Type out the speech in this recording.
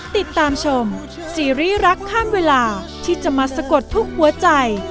ติดตามชมซีรีส์รักข้ามเวลาที่จะมาสะกดทุกหัวใจ